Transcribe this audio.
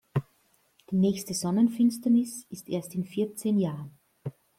Die nächste Sonnenfinsternis ist erst in vierzehn Jahren.